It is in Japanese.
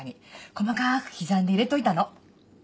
細かく刻んで入れといたの。